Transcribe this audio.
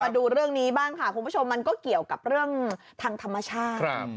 ดูเรื่องนี้บ้างค่ะคุณผู้ชมมันก็เกี่ยวกับเรื่องทางธรรมชาติ